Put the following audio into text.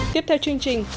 tiếp theo chương trình